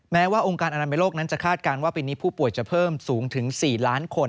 แม้ว่าองค์การอนามัยโลกนั้นจะคาดการณ์ว่าปีนี้ผู้ป่วยจะเพิ่มสูงถึง๔ล้านคน